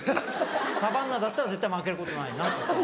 サバンナだったら絶対負けることないなとか。